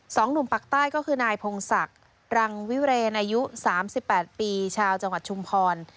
สองหนุ่มปักใต้ก็คือนายพงศักดิ์รังวิเรนอายุ๓๘ปีชาวจังหวัดชุมพร